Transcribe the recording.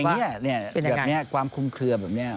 เนี่ยแบบนี้ความคุ้มเคลือแบบนี้